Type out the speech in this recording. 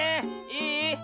いい？